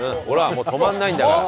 もう止まんないんだから。